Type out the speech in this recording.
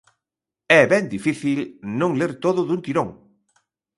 É ben difícil non ler todo dun tirón.